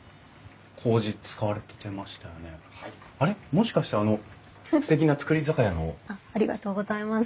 もしかしてあのすてきな造り酒屋の？ありがとうございます。